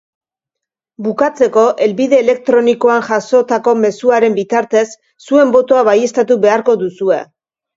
Bukatzeko, helbide elektronikoan jasotako mezuaren bitartez, zuen botoa baieztatu beharko duzue.